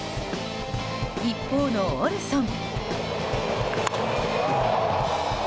一方のオルソン。